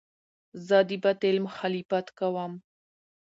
زه د باطل مخالفت کوم.